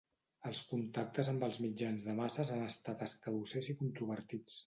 Els contactes amb els mitjans de masses han estat escadussers i controvertits.